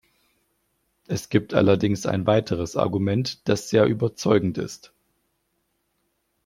Es gibt allerdings ein weiteres Argument, das sehr überzeugend ist.